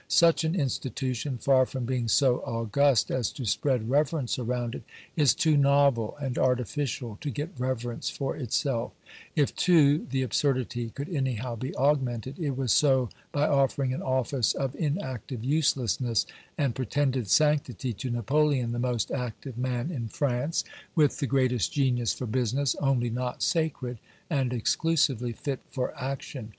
Such an institution, far from being so august as to spread reverence around it, is too novel and artificial to get reverence for itself; if, too, the absurdity could anyhow be augmented, it was so by offering an office of inactive uselessness and pretended sanctity to Napoleon, the most active man in France, with the greatest genius for business, only not sacred, and exclusively fit for action.